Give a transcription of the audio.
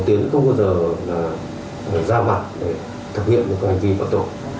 tiến không bao giờ ra mặt